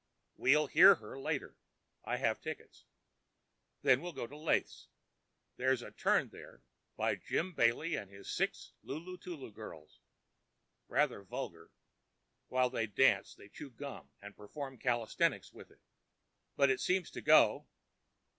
We'll hear her later—I have tickets. Then we'll go to Leith's; there's a turn there by 'Jim Bailey and his Six Lulu Tulu Girls'—rather vulgar (while they dance they chew the gum and perform calisthenics with it) but it seems to go.